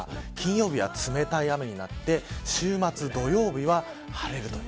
金曜日は、冷たい雨になって週末土曜日は晴れるという。